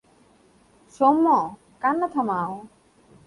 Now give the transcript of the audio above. সৌম্য, কান্না থামাও।